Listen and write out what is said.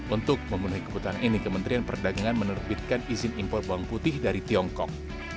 untuk memenuhi kebutuhan ini kementerian perdagangan menerbitkan izin impor bawang putih dari tiongkok